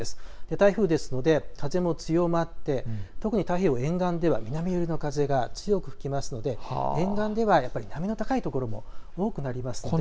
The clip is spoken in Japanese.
台風ですので風も強まって特に太平洋沿岸では南寄りの風が強く吹きますので沿岸では波の高いところも多くなります。